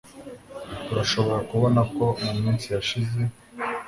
Turashobora kubona ko muminsi yashize